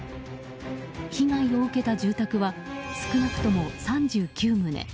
被害を受けた住宅は少なくとも３９棟。